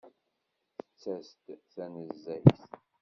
Tettas-d tanezzayt.